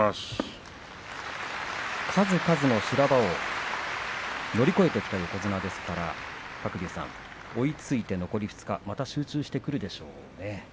数々の修羅場を乗り越えてきた横綱ですから追いついて残り２日また集中してくるでしょうね。